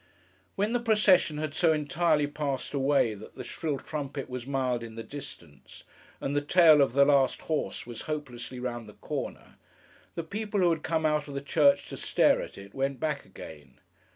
When the procession had so entirely passed away, that the shrill trumpet was mild in the distance, and the tail of the last horse was hopelessly round the corner, the people who had come out of the church to stare at it, went back again.